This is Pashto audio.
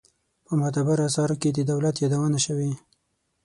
په معتبرو آثارو کې د دولت یادونه شوې.